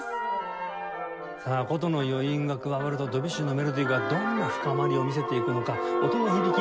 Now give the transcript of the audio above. さあ箏の余韻が加わるとドビュッシーのメロディーがどんな深まりを見せていくのか音の響き